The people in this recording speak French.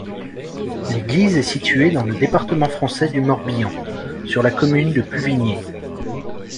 L'église est située dans le département français du Morbihan, sur la commune de Pluvigner.